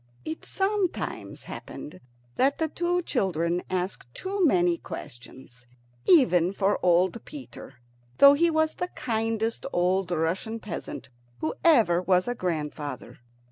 It sometimes happened that the two children asked too many questions even for old Peter, though he was the kindest old Russian peasant who ever was a grandfather.